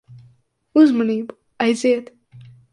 Uzmanību. Aiziet.